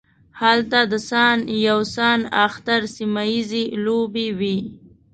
هلته د سان یو سان اختر سیمه ییزې لوبې وې.